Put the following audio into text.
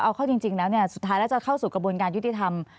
เอาเข้าจริงแล้วสุดท้ายแล้วจะเข้าสู่กระบวนการยุติธรรม